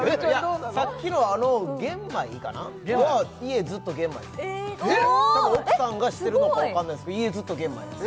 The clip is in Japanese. さっきのあの玄米かなは家ずっと玄米です奥さんがしてるのかわかんないですけど家ずっと玄米です